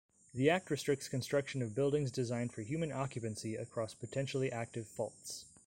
The act restricts construction of buildings designed for human occupancy across potentially active faults.